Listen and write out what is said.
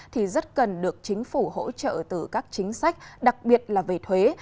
thì rất cần được chính phủ hỗ trợ từ các chính sách đặc biệt là về thuế